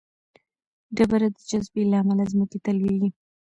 ډبره د جاذبې له امله ځمکې ته لویږي.